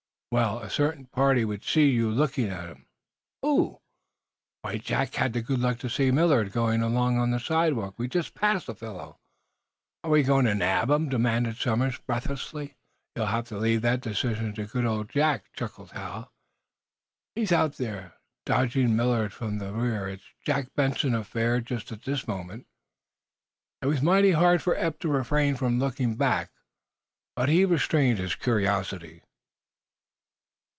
"Well, a certain party would see you looking at him." "Who?" "Why, Jack had the good luck to see Millard going along on the sidewalk. We've just passed the fellow!" "Are we going to nab him?" demanded Somers, breathlessly. "You'll have to leave that decision to good old Jack," chuckled Hal Hastings. "He's out there, dogging Millard from the rear. It's Jack Benson's affair just at this moment." It was mighty hard for Eph to refrain from looking back. But he restrained his curiosity.